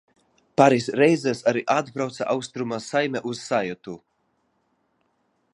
Pāris reizes arī atbrauca Austruma saime uz saietu.